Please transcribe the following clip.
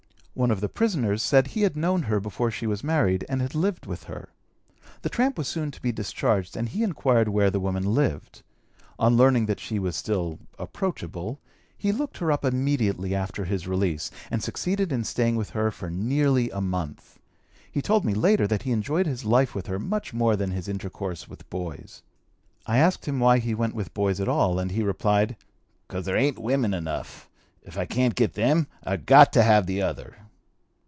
One of the prisoners said he had known her before she was married and had lived with her. The tramp was soon to be discharged, and he inquired where the woman lived. On learning that she was still approachable, he looked her up immediately after his release, and succeeded in staying with her for nearly a month. He told me later that he enjoyed his life with her much more than his intercourse with boys. I asked him why he went with boys at all, and he replied: "'Cause there ain't women enough. If I can't get them I've got to have the other."